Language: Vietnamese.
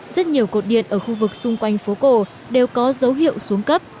rất nhiều cột điện ở khu vực xung quanh phố cổ đều có dấu hiệu xuống cấp